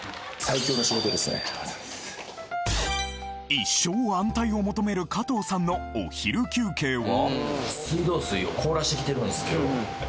一生安泰を求める加藤さんのお昼休憩は？